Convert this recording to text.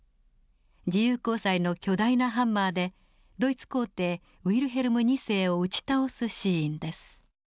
自由公債の巨大なハンマーでドイツ皇帝ウィルヘルム２世を打ち倒すシーンです。